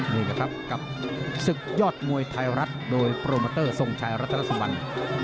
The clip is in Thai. นี่แหละครับกับศึกยอดมวยไทยรัฐโดยโปรโมเตอร์ทรงชัยรัฐนสวรรค์